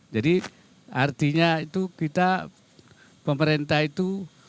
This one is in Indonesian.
artinya itu kita pemerintah itu